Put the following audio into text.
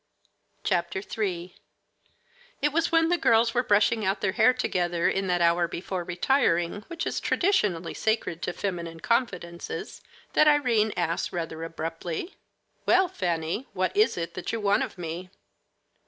III It was when the girls were brushing out their hair together in that hour before retiring which is traditionally sacred to feminine confidences, that Irene asked rather abruptly: "Well, Fanny, what is it that you want of me?"